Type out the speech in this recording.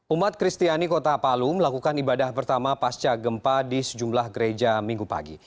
umat kristiani kota palu melakukan ibadah pertama pasca gempa di sejumlah gereja minggu pagi